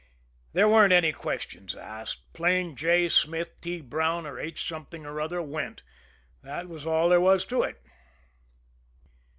There weren't any questions asked. Plain J. Smith, T. Brown or H. Something or other went that was all there was to it.